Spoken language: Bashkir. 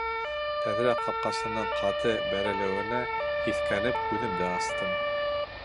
Тәҙрә ҡапҡасының ҡаты бәрелеүенә һиҫкәнеп күҙемде астым.